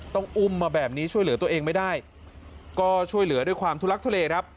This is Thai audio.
ต้องอุ้มมาแบบนี้ช่วยเหลือตัวเองไม่ได้ก็ช่วยเหลือด้วยความทุลักทุเลครับ